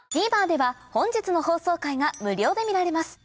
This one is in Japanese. ＴＶｅｒでは本日の放送回が無料で見られます